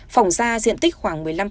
phòng da diện tích khoảng một mươi năm